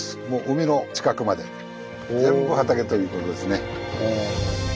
もう海の近くまで全部畑ということですね。